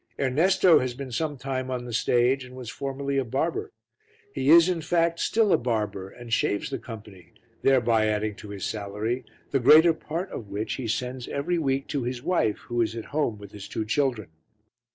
Ernesto has been some time on the stage and was formerly a barber; he is, in fact, still a barber and shaves the company, thereby adding to his salary, the greater part of which he sends every week to his wife who is at home with his two children.